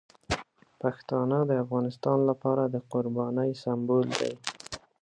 پښتانه د افغانستان لپاره د قربانۍ سمبول دي.